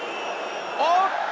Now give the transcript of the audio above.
おっと！